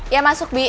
ya masuk bik